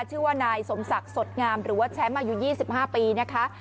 ชื่อว่านายสมศักดิ์สดงามหรือว่าแชมป์อายุ๒๕ปีนะคะ